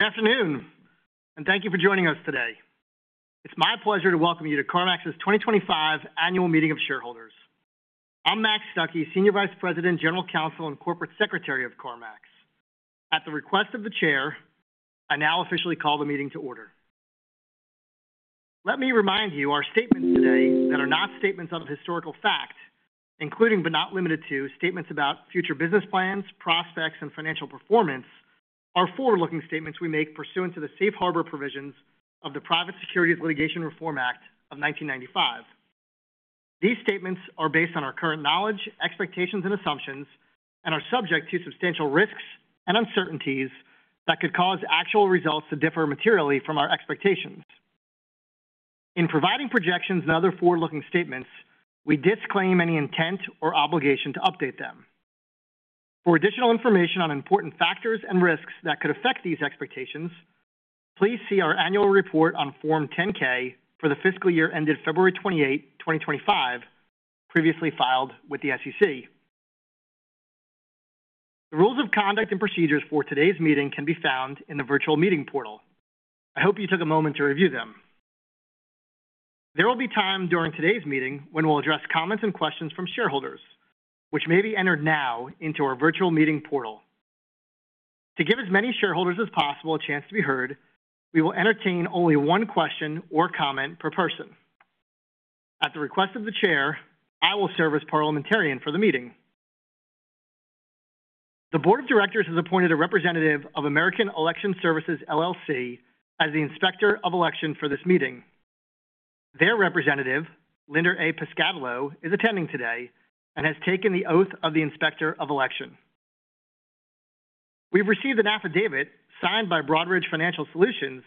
Good afternoon, and thank you for joining us today. It's my pleasure to welcome you to CarMax's 2025 Annual Meeting of Shareholders. I'm Mac Stuckey, Senior Vice President, General Counsel, and Corporate Secretary of CarMax. At the request of the Chair, I now officially call the meeting to order. Let me remind you, our statements today that are not statements of historical fact, including but not limited to statements about future business plans, prospects, and financial performance, are forward-looking statements we make pursuant to the Safe Harbor Provisions of the Private Securities Litigation Reform Act of 1995. These statements are based on our current knowledge, expectations, and assumptions, and are subject to substantial risks and uncertainties that could cause actual results to differ materially from our expectations. In providing projections and other forward-looking statements, we disclaim any intent or obligation to update them. For additional information on important factors and risks that could affect these expectations, please see our annual report on Form 10-K for the fiscal year ended February 28, 2025, previously filed with the SEC. The rules of conduct and procedures for today's meeting can be found in the virtual meeting portal. I hope you took a moment to review them. There will be time during today's meeting when we'll address comments and questions from shareholders, which may be entered now into our virtual meeting portal. To give as many shareholders as possible a chance to be heard, we will entertain only one question or comment per person. At the request of the Chair, I will serve as Parliamentarian for the meeting. The Board of Directors has appointed a representative of American Election Services LLC as the Inspector of Election for this meeting. Their representative, Linder A. Piscatello, is attending today and has taken the oath of the Inspector of Election. We've received an affidavit signed by Broadridge Financial Solutions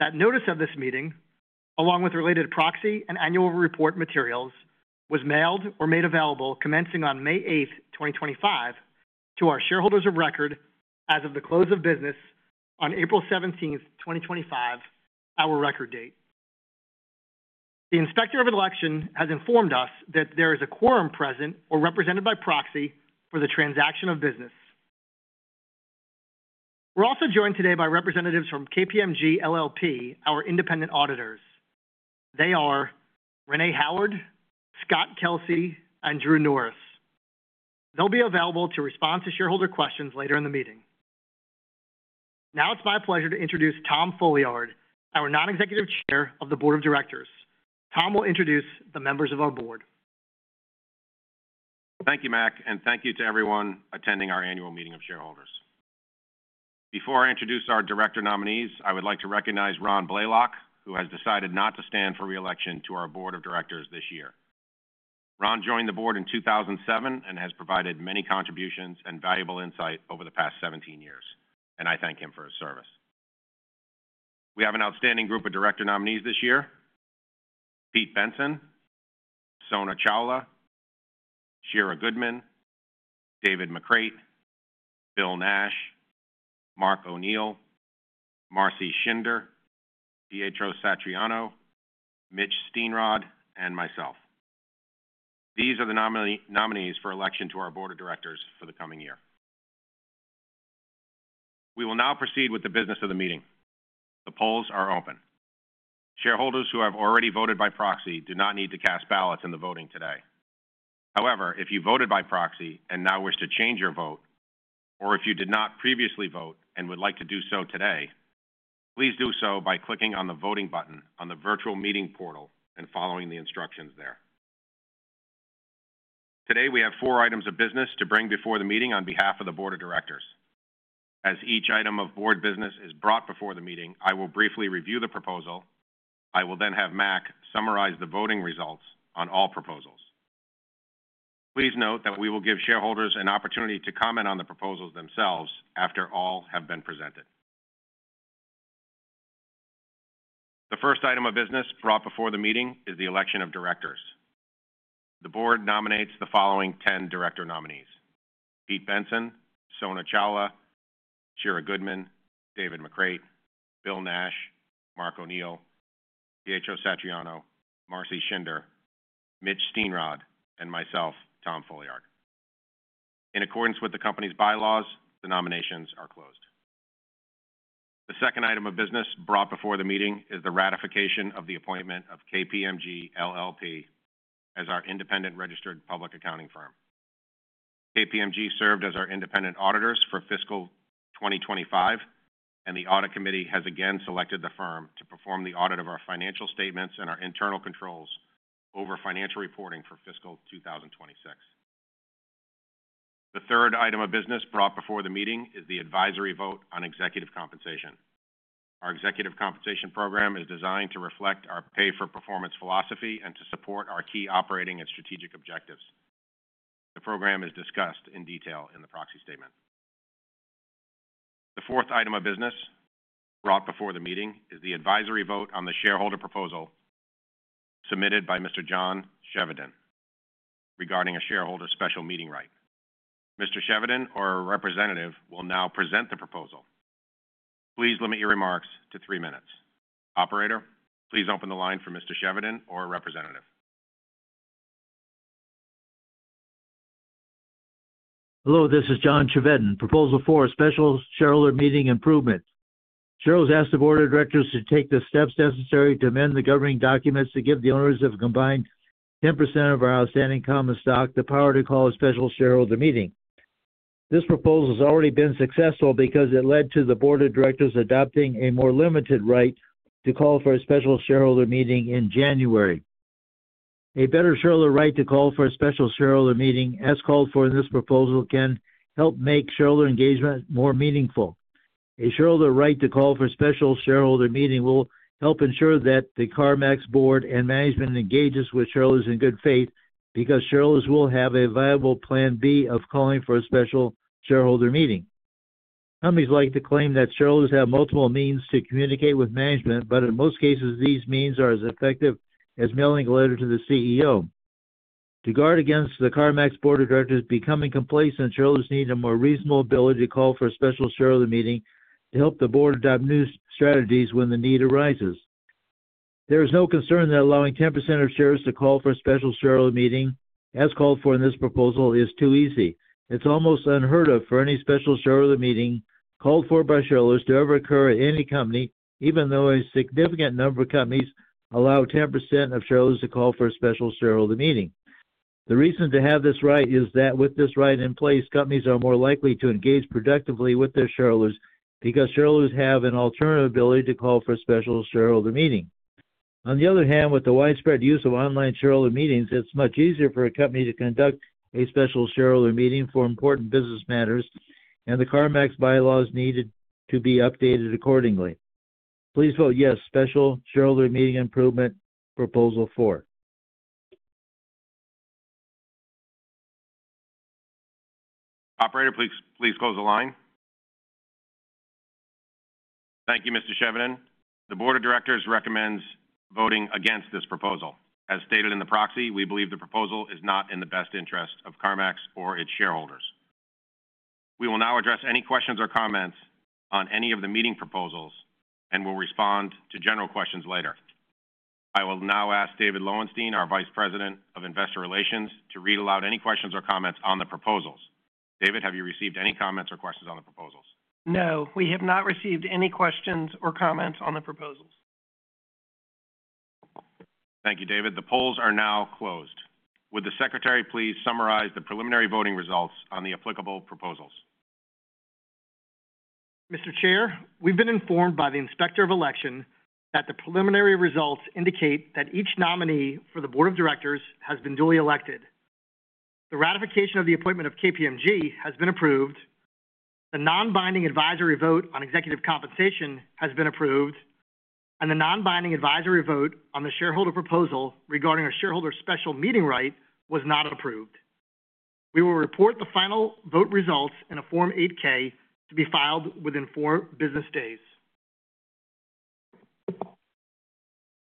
that notice of this meeting, along with related proxy and annual report materials, was mailed or made available commencing on May 8th, 2025, to our shareholders of record as of the close of business on April 17th, 2025, our record date. The Inspector of Election has informed us that there is a quorum present or represented by proxy for the transaction of business. We're also joined today by representatives from KPMG LLP, our independent auditors. They are Renee Howard, Scott Kelsey, and Drew Norris. They'll be available to respond to shareholder questions later in the meeting. Now it's my pleasure to introduce Tom Folliard, our non-executive Chair of the Board of Directors. Tom will introduce the members of our board. Thank you, Mac, and thank you to everyone attending our annual meeting of shareholders. Before I introduce our director nominees, I would like to recognize Ron Blaylock, who has decided not to stand for reelection to our Board of Directors this year. Ron joined the board in 2007 and has provided many contributions and valuable insight over the past 17 years, and I thank him for his service. We have an outstanding group of director nominees this year: Pete Bensen, Sona Chawla, Shira Goodman, David McCreight, Bill Nash, Mark O'Neil, Marcy Shinder, Pietro Satriano, Mitch Steenrod, and myself. These are the nominees for election to our Board of Directors for the coming year. We will now proceed with the business of the meeting. The polls are open. Shareholders who have already voted by proxy do not need to cast ballots in the voting today. However, if you voted by proxy and now wish to change your vote, or if you did not previously vote and would like to do so today, please do so by clicking on the voting button on the virtual meeting portal and following the instructions there. Today, we have four items of business to bring before the meeting on behalf of the Board of Directors. As each item of board business is brought before the meeting, I will briefly review the proposal. I will then have Mac summarize the voting results on all proposals. Please note that we will give shareholders an opportunity to comment on the proposals themselves after all have been presented. The first item of business brought before the meeting is the election of directors. The board nominates the following 10 director nominees: Pete Bensen, Sona Chawla, Shira Goodman, David McCreight, Bill Nash, Mark O'Neil, Pietro Satriano, Marcy Shinder, Mitch Steenrod, and myself, Tom Folliard. In accordance with the company's bylaws, the nominations are closed. The second item of business brought before the meeting is the ratification of the appointment of KPMG LLP as our independent registered public accounting firm. KPMG served as our independent auditors for fiscal 2025, and the audit committee has again selected the firm to perform the audit of our financial statements and our internal controls over financial reporting for fiscal 2026. The third item of business brought before the meeting is the advisory vote on executive compensation. Our executive compensation program is designed to reflect our pay-for-performance philosophy and to support our key operating and strategic objectives. The program is discussed in detail in the proxy statement. The fourth item of business brought before the meeting is the advisory vote on the shareholder proposal submitted by Mr. John Chevedden regarding a shareholder special meeting right. Mr. Chevedden or a representative will now present the proposal. Please limit your remarks to three minutes. Operator, please open the line for Mr. Chevedden or a representative. Hello, this is John Chevedden. Proposal four, special shareholder meeting improvement. Shareholders ask the board of directors to take the steps necessary to amend the governing documents to give the owners of a combined 10% of our outstanding common stock the power to call a special shareholder meeting. This proposal has already been successful because it led to the board of directors adopting a more limited right to call for a special shareholder meeting in January. A better shareholder right to call for a special shareholder meeting, as called for in this proposal, can help make shareholder engagement more meaningful. A shareholder right to call for a special shareholder meeting will help ensure that the CarMax board and management engages with shareholders in good faith because shareholders will have a viable plan B of calling for a special shareholder meeting. Companies like to claim that shareholders have multiple means to communicate with management, but in most cases, these means are as effective as mailing a letter to the CEO. To guard against the CarMax board of directors becoming complacent, shareholders need a more reasonable ability to call for a special shareholder meeting to help the board adopt new strategies when the need arises. There is no concern that allowing 10% of shares to call for a special shareholder meeting, as called for in this proposal, is too easy. It's almost unheard of for any special shareholder meeting called for by shareholders to ever occur at any company, even though a significant number of companies allow 10% of shareholders to call for a special shareholder meeting. The reason to have this right is that with this right in place, companies are more likely to engage productively with their shareholders because shareholders have an alternative ability to call for a special shareholder meeting. On the other hand, with the widespread use of online shareholder meetings, it's much easier for a company to conduct a special shareholder meeting for important business matters, and the CarMax bylaws need to be updated accordingly. Please vote yes to special shareholder meeting improvement proposal four. Operator, please close the line. Thank you, Mr. Chevedden. The Board of Directors recommends voting against this proposal. As stated in the proxy, we believe the proposal is not in the best interest of CarMax or its shareholders. We will now address any questions or comments on any of the meeting proposals and will respond to general questions later. I will now ask David Lowenstein, our Vice President of Investor Relations, to read aloud any questions or comments on the proposals. David, have you received any comments or questions on the proposals? No, we have not received any questions or comments on the proposals. Thank you, David. The polls are now closed. Would the secretary please summarize the preliminary voting results on the applicable proposals? Mr. Chair, we've been informed by the Inspector of Election that the preliminary results indicate that each nominee for the Board of Directors has been duly elected. The ratification of the appointment of KPMG has been approved. The non-binding advisory vote on executive compensation has been approved, and the non-binding advisory vote on the shareholder proposal regarding a shareholder special meeting right was not approved. We will report the final vote results in a Form 8-K to be filed within four business days.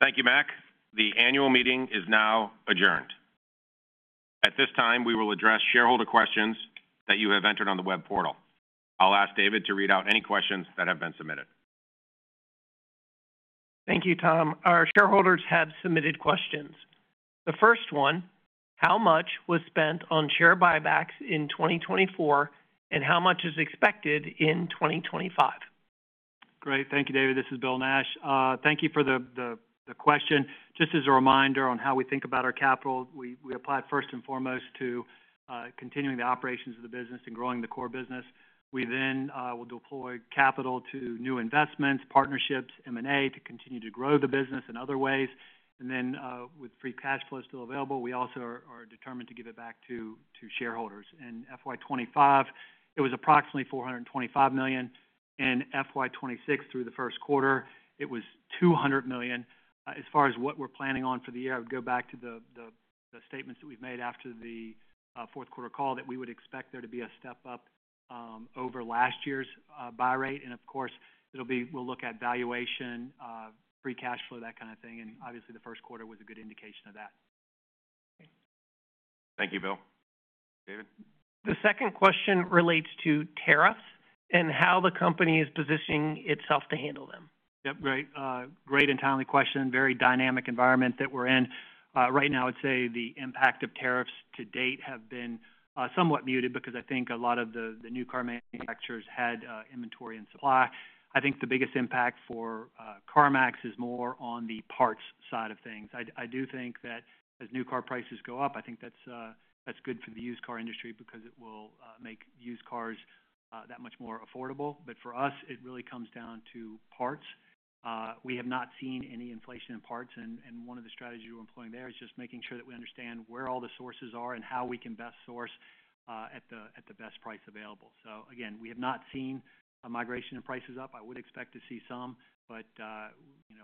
Thank you, Mac. The annual meeting is now adjourned. At this time, we will address shareholder questions that you have entered on the web portal. I'll ask David to read out any questions that have been submitted. Thank you, Tom. Our shareholders have submitted questions. The first one, how much was spent on share buybacks in 2024 and how much is expected in 2025? Great. Thank you, David. This is Bill Nash. Thank you for the question. Just as a reminder on how we think about our capital, we apply first and foremost to continuing the operations of the business and growing the core business. We then will deploy capital to new investments, partnerships, M&A to continue to grow the business in other ways. With free cash flows still available, we also are determined to give it back to shareholders. In FY2025, it was approximately $425 million. In FY2026, through the first quarter, it was $200 million. As far as what we're planning on for the year, I would go back to the statements that we've made after the fourth quarter call that we would expect there to be a step up over last year's buy rate. Of course, we'll look at valuation, free cash flow, that kind of thing. Obviously, the first quarter was a good indication of that. Thank you, Bill. David? The second question relates to tariffs and how the company is positioning itself to handle them. Yep, great. Great and timely question. Very dynamic environment that we're in. Right now, I'd say the impact of tariffs to date have been somewhat muted because I think a lot of the new car manufacturers had inventory in supply. I think the biggest impact for CarMax is more on the parts side of things. I do think that as new car prices go up, I think that's good for the used car industry because it will make used cars that much more affordable. For us, it really comes down to parts. We have not seen any inflation in parts. One of the strategies we're employing there is just making sure that we understand where all the sources are and how we can best source at the best price available. Again, we have not seen a migration in prices up. I would expect to see some, but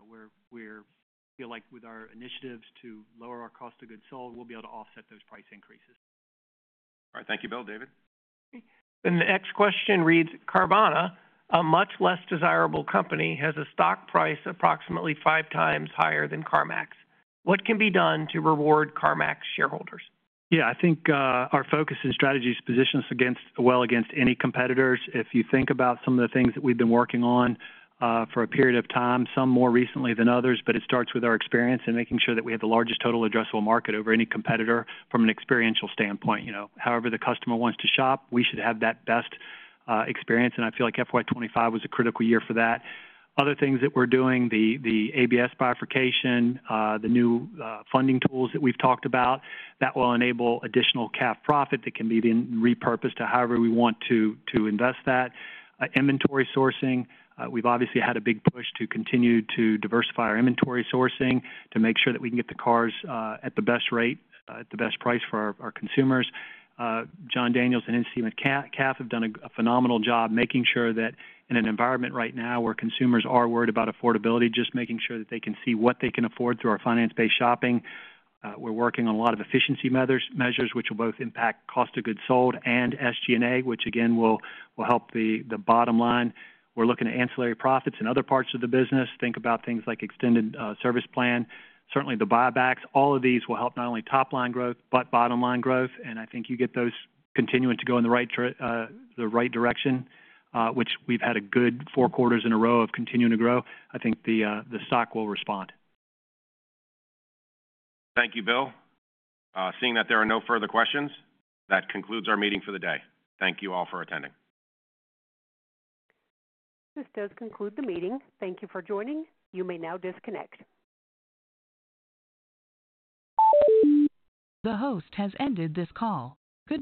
we feel like with our initiatives to lower our cost of goods sold, we'll be able to offset those price increases. All right. Thank you, Bill. David? The next question reads, Carvana, a much less desirable company, has a stock price approximately five times higher than CarMax. What can be done to reward CarMax shareholders? Yeah, I think our focus and strategies position us well against any competitors. If you think about some of the things that we've been working on for a period of time, some more recently than others, it starts with our experience and making sure that we have the largest total addressable market over any competitor from an experiential standpoint. However the customer wants to shop, we should have that best experience. I feel like FY2025 was a critical year for that. Other things that we're doing, the ABS bifurcation, the new funding tools that we've talked about, that will enable additional cap profit that can be then repurposed to however we want to invest that. Inventory sourcing, we've obviously had a big push to continue to diversify our inventory sourcing to make sure that we can get the cars at the best rate, at the best price for our consumers. John Daniels and NCM CAF have done a phenomenal job making sure that in an environment right now where consumers are worried about affordability, just making sure that they can see what they can afford through our finance-based shopping. We're working on a lot of efficiency measures, which will both impact cost of goods sold and SG&A, which again will help the bottom line. We're looking at ancillary profits in other parts of the business. Think about things like extended service plan. Certainly, the buybacks, all of these will help not only top-line growth, but bottom-line growth. I think you get those continuing to go in the right direction, which we've had a good four quarters in a row of continuing to grow. I think the stock will respond. Thank you, Bill. Seeing that there are no further questions, that concludes our meeting for the day. Thank you all for attending. This does conclude the meeting. Thank you for joining. You may now disconnect. The host has ended this call. Good.